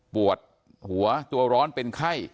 ปวดหัวตัวร้อนเป็นไข้